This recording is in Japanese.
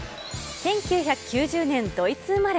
１９９０年、ドイツ生まれ。